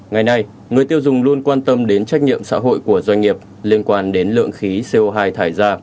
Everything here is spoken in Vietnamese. ngày nay người tiêu dùng luôn quan tâm đến trách nhiệm xã hội của doanh nghiệp liên quan đến lượng khí co hai thải ra